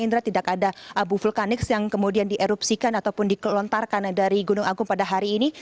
indra tidak ada abu vulkanik yang kemudian dierupsikan ataupun dikelontarkan dari gunung agung pada hari ini